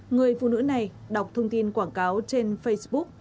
người phụ nữ này đọc thông tin quảng cáo trên facebook